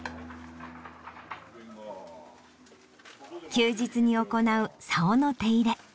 休日に行うさおの手入れ。